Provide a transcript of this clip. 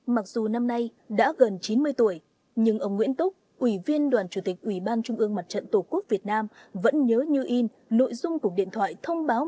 mặc dù năm nay đã gần chín mươi tuổi nhưng ông nguyễn túc ủy viên đoàn chủ tịch ủy ban trung ương mặt trận tổ quốc việt nam vẫn nhớ như in nội dung của điện thoại thông báo